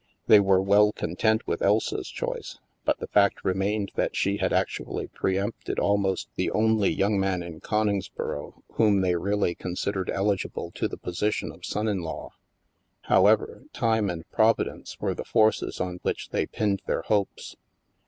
They were well content with Elsa's choice, but the fact re mained that she had actually preempted almost the only young man in Coningsboro whom they really considered eligible to the position of son in law. However, Time and Providence were the forces on which they pinned their hopes.